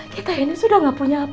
kita ini sudah gak punya apa apa